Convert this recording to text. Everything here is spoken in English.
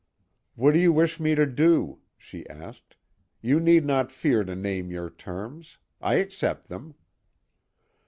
"What do you wish me to do?" she asked. "You need not fear to name your terms. I accept them."